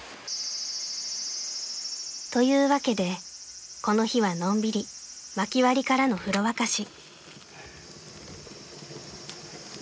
［というわけでこの日はのんびりまき割りからの風呂沸かし］